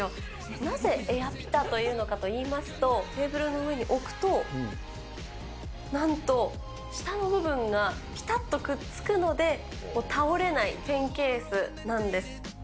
なぜエアピタというのかといいますと、テーブルの上に置くと、なんと、下の部分がぴたっとくっつくので、倒れないペンケースなんです。